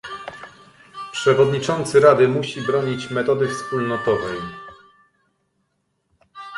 Przewodniczący Rady musi bronić metody wspólnotowej